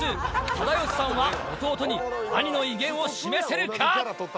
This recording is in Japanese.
忠義さんは弟に兄の威厳を示せるか。